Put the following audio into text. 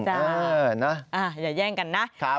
ใช่นะอย่าแย่งกันนะครับ